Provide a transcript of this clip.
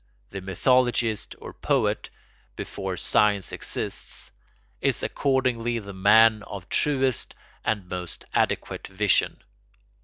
The mythologist or poet, before science exists, is accordingly the man of truest and most adequate vision.